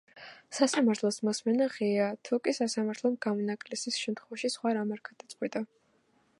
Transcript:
სასამართლოს მოსმენები ღიაა, თუკი სასამართლომ გამონაკლის შემთხვევებში სხვა რამ არ გადაწყვიტა.